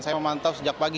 saya memantau sejak pagi